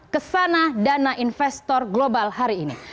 kesana dana investor global hari ini